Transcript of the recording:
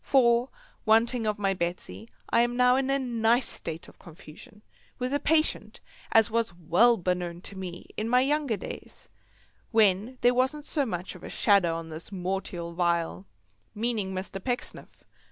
For, wanting of my Betsy, I am now in a nice state of confusion, with a patient as was well beknown to me in younger days, when there wasn't so much of a shadder on this mortial vial, meaning Mr. Pecksniff.